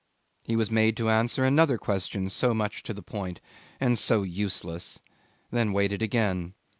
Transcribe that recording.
He was made to answer another question so much to the point and so useless, then waited again.